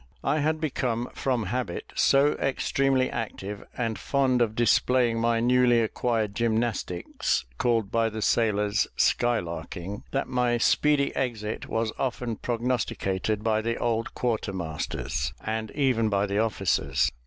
I had become, from habit, so extremely active, and fond of displaying my newly acquired gymnastics, called by the sailors "sky larking" that my speedy exit was often prognosticated by the old quarter masters, and even by the officers.